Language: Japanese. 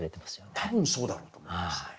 多分そうだろうと思いますね。